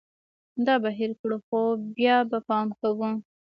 دا به هېر کړو ، خو بیا به پام کوو